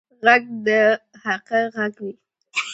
غږ د حقیقت غږ وي